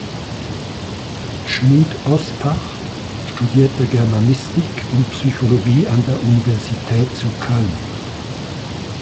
Schmid-Ospach studierte Germanistik und Psychologie an der Universität zu Köln.